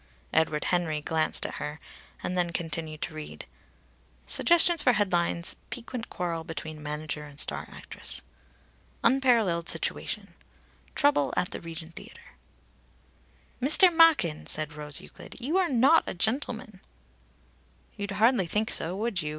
Edward Henry glanced at her, and then continued to read: "Suggestions for headlines. 'Piquant quarrel between manager and star actress.' 'Unparalleled situation.' 'Trouble at the Regent Theatre.'" "Mr. Machin," said Rose Euclid, "you are not a gentleman." "You'd hardly think so, would you?"